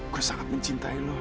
gue sangat mencintai lo